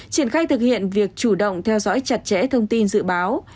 triển khai thực hiện việc chủ động theo dõi chặt chẽ thông tin dự báo